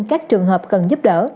các trường hợp cần giúp đỡ